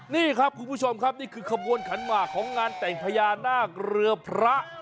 นี่ครับคุณผู้ชมครับนี่คือขบวนขันหมากของงานแต่งพญานาคเรือพระ